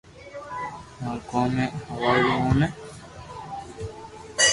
مارو ڪوم ھي ھوالڙو اوٺوو